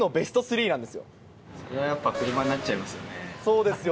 やっぱ車になっちゃいますよ